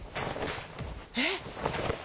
えっ？